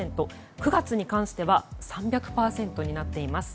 ９月に関しては３００％になっています。